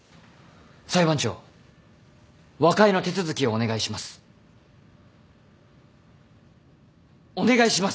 裁判長和解の手続きをお願いします。